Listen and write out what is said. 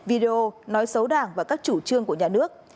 video nói xấu đảng và các chủ trương của nhà nước